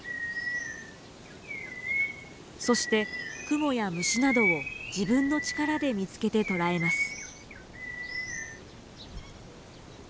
そしてクモや虫などを自分の力で見つけて捕らえます。